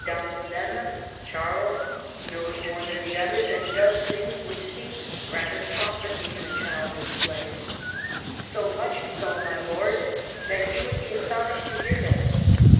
d'Angouleme (Charles) knows more than the others, and does things which seem rather prophecies than childish play ; so much so, my lord, that you would be astonished to hear them.